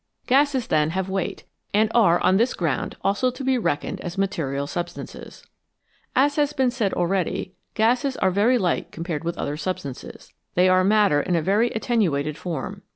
Gases, then, have weight, and are on this ground also to be reckoned as material substances. As has been said already, gases are very light com pared with other substances ; they are matter in a very attenuated form.